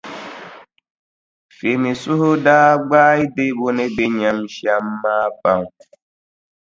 Femi suhu daa gbaai Debo ni be nyam shɛm maa pam.